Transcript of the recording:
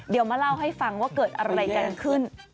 เดี๋ยวมาเล่าให้ฟังว่าเกิดอะไรกันขึ้น